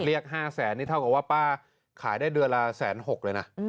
เรียก๕แสนนี่เท่ากับว่าป้าขายได้เดือนละ๑๖๐๐เลยนะ